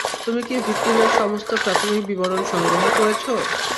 তুমি কি ভিকটিমের সমস্ত প্রাথমিক বিবরণ সংগ্রহ করেছ?